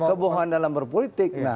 kebohongan dalam berpolitik